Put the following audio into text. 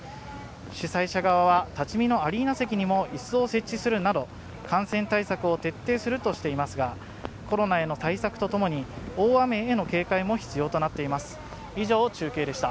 主催者側は立ち見のアリーナ席にも椅子を設置するなど感染対策を徹底するとしていますが、コロナへの対策とともに大雨への警戒も必要となっています。